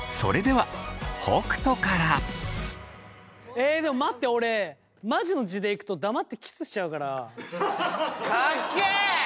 えでも待って俺マジの地でいくと黙ってキスしちゃうから。かっけえ！